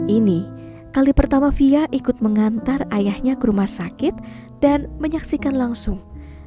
ini kali pertama fia ikut mengantar ayahnya ke rumah sakit dan menyaksikan langsung